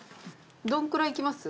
どんくらいいきます？